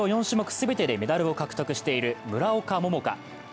４種目全てでメダルを獲得している村岡桃佳。